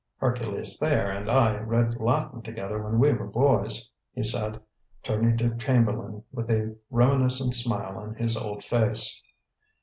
"Hercules Thayer and I read Latin together when we were boys," he said, turning to Chamberlain with a reminiscent smile on his old face.